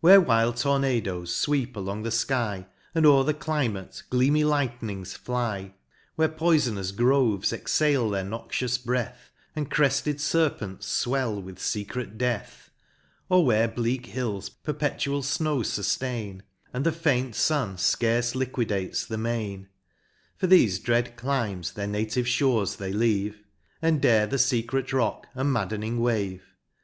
Where wild Tornados fweep along the {ky, And o'er the climate gleamy lightenings fly ; Where poifonous groves exhale their noxious breath, And crefted ferpents fvvcll with fecret death ; Or MOUNT PLEASANT. 25 Or where bleak hills perpetual fnovv fuftain, And the faint fun fcarce liquidates the main ; For thefe dread climes their native fhores they leave, And dare the fecret rock, and maddening wave.